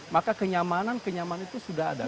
maka kenyamanan kenyamanan itu sudah ada